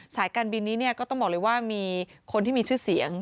สายการบินนี้ก็ต้องบอกเลยว่ามีคนที่มีชื่อเสียง